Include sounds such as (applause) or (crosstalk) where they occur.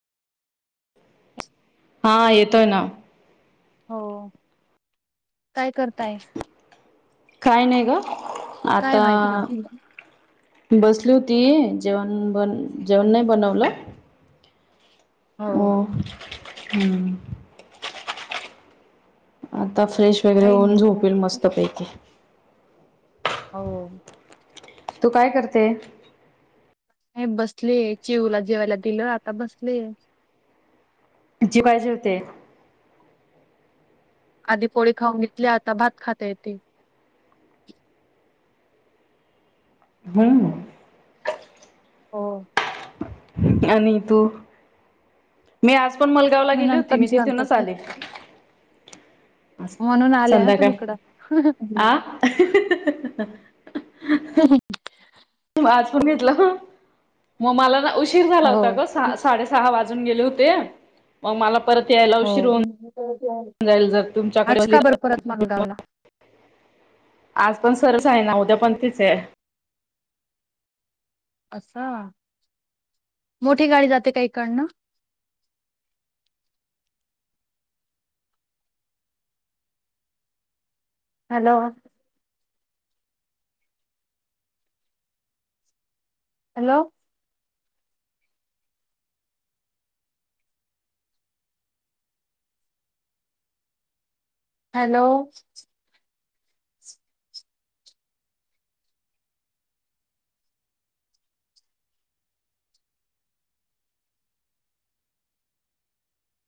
हा येतोय ना. हो काय करताय? काय नाही ग काय आता (unintelligible) बसली होती जेवण बन जेवण नाही बनवलं हो हम्म. आता आता फ्रेश वगैरे काही होऊन झोपल नाही मस्त पैकी हो. तू काय करते? हे बसले चिऊला जेवायला दिलं आता बसलेय जेवायची होते आधी पोळी खाऊन घेतली आता भात खाते आहे ती. हम्म. हो. आणि तू? मी आज पण मलगावला गेली होती नंतर मी जेवण तिथूनच करते आले म्हणून आले हा तुम्ही संध्याकाळ इकडं आ ह आज पण घेतलं. मग मला ना उशीर झाला हो होता ग साडेसहा वाजता थून गेले होते मग मला परत यायला उशीर होऊ हो जाईल जर आज तुमच्याकडे का बरं परत मालगावला (unintelligible) आज पण सरस आहे ना उद्या पण तीच आहे अस मोठी गाडी जाते काहीकडन. (inaudible) हॅलो! हॅलो! हॅलो!